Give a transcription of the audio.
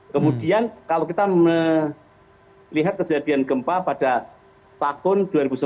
kemudian kalau kita melihat kejadian gempa pada tahun dua ribu sebelas